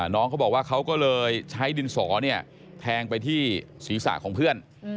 น้องเขาบอกว่าเขาก็เลยใช้ดินสอเนี่ยแทงไปที่ศีรษะของเพื่อน